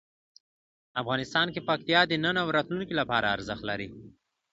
افغانستان کې پکتیا د نن او راتلونکي لپاره ارزښت لري.